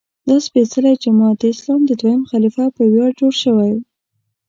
دا سپېڅلی جومات د اسلام د دویم خلیفه په ویاړ جوړ شوی.